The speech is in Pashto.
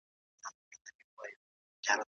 د علم په واسطه د حقايقو لټون وکړئ.